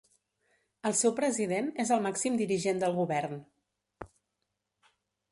El seu President és el màxim dirigent del govern.